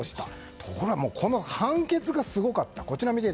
ところが、この判決がすごかった。